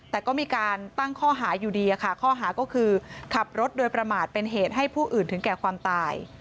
แต่ก็มีการตั้งข้อหาอยู่ดีค่ะข้อหาก็คือขับรถโดยประมาทเป็นเหตุให้ผู้อื่นถึงแก่ความตาย